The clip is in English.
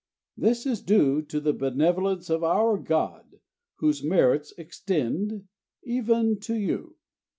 This is due to the benevolence of our god, whose merits extend even to you."